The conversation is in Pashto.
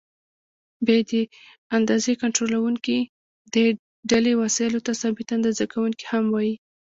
ب: د اندازې کنټرولوونکي: دې ډلې وسایلو ته ثابته اندازه کوونکي هم وایي.